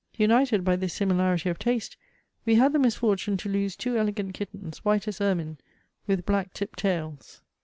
United by this similarity of taste, we had the mis fortune to lose two elegant kittens, white as ermine, with black tipped tails.